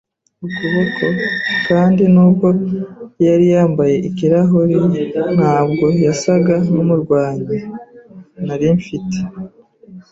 ukuboko, kandi nubwo yari yambaye ikirahure, ntabwo yasaga nkumurwanyi. narimfite